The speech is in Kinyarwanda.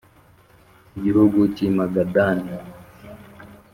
gihugu cy i Magadani